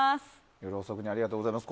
夜遅くにありがとうございます。